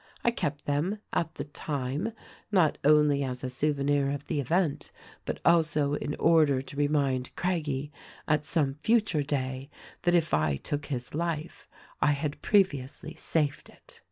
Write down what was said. I kept them — at the time, — not only as a souvenir of the event, but also in order to remind Craggie at some future day that if I took his life I had previously saved it.